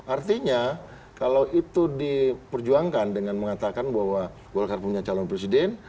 artinya kalau itu diperjuangkan dengan mengatakan bahwa golkar punya calon presiden